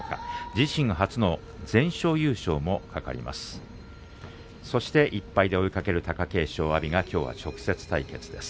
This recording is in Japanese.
自身初の全勝優勝も懸かります。